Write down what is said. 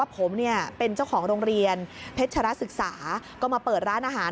ผมเป็นเจ้าของโรงเรียนเพชรศึกษาก็มาเปิดร้านอาหาร